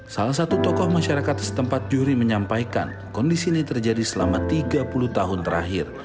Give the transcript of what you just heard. salah satu tokoh masyarakat setempat juri menyampaikan kondisi ini terjadi selama tiga puluh tahun terakhir